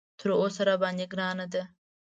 تر اوسه راباندې ګرانه ده.